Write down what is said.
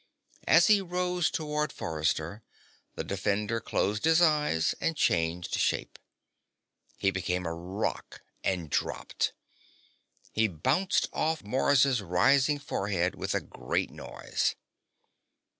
As he rose toward Forrester, the defender closed his eyes and changed shape. He became a rock and dropped. He bounced off Mars' rising forehead with a great noise.